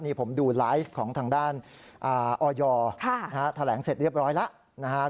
นี่ผมดูไลฟ์ของทางด้านออยแถลงเสร็จเรียบร้อยแล้วนะครับ